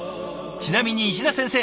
ちなみに石田先生